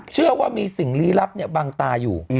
เชื่อว่ามีสิ่งลี้ลับบังตาอยู่